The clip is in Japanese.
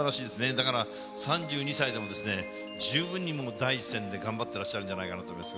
だから、３２歳でも、十分に第一線で頑張ってらっしゃるんじゃないかなと思います。